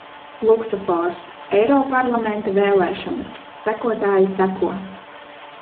Luksofors, Eiroparlamenta vēlēšanas, sekotāji seko.